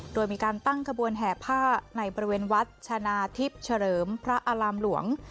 โดยมีการตั้งขบวนแห่ผ้าในบริเวณวัดชนะทิพย์เฉลิมพระอารามหลวง